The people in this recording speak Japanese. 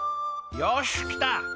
よしきた！